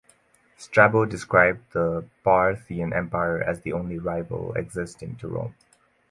Strabo described the Parthian Empire as the only rival existing to Rome.